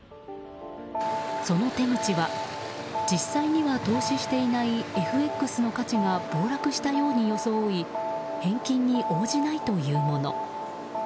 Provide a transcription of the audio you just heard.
その手口は実際には投資していないＦＸの価値が暴落したように装い返金に応じないというもの。